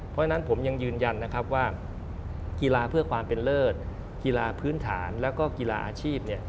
เพราะฉะนั้นผมยังยืนยันนะครับว่ากีฬาเพื่อความเป็นเลิศกีฬาพื้นฐานแล้วก็กีฬาอาชีพ